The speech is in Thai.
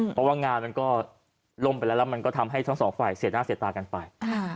เพราะว่างานมันก็ล่มไปแล้วแล้วมันก็ทำให้ทั้งสองฝ่ายเสียหน้าเสียตากันไป